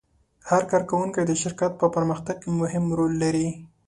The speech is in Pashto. هر کارکوونکی د شرکت په پرمختګ کې مهم رول لري.